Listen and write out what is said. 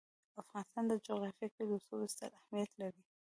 د افغانستان جغرافیه کې رسوب ستر اهمیت لري.